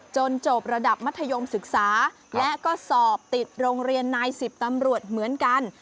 จบระดับมัธยมศึกษาและก็สอบติดโรงเรียนนายสิบตำรวจเหมือนกัน